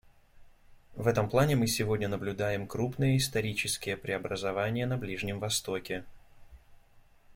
В этом плане мы сегодня наблюдаем крупные, исторические преобразования на Ближнем Востоке.